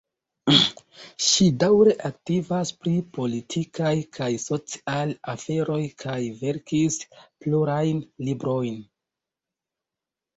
Ŝi daŭre aktivas pri politikaj kaj sociaj aferoj kaj verkis plurajn librojn.